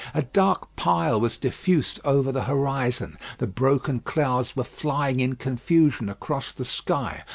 A dark pile was diffused over the horizon, the broken clouds were flying in confusion across the sky.